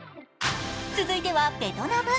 続いてはベトナム。